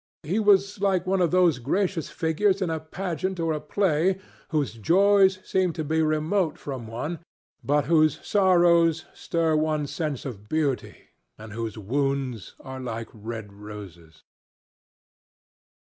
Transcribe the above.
He was like one of those gracious figures in a pageant or a play, whose joys seem to be remote from one, but whose sorrows stir one's sense of beauty, and whose wounds are like red roses.